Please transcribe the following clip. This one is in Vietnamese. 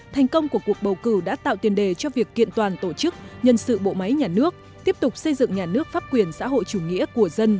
thành công của cuộc bầu cử đã tạo tiền đề cho việc kiện toàn tổ chức nhân sự bộ máy nhà nước tiếp tục xây dựng nhà nước pháp quyền xã hội chủ nghĩa của dân